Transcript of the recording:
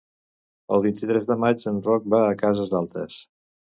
El vint-i-tres de maig en Roc va a Cases Altes.